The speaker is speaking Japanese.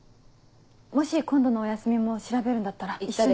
もし今度のお休みも調べるんだったら一緒に。